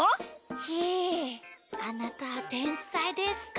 ひーあなたてんさいですか？